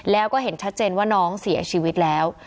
แล้วก็เห็นชัดเจนว่าน้องเสียชีวิตแล้ว